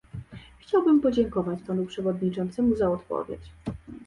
Chciałbym podziękować panu przewodniczącemu za odpowiedź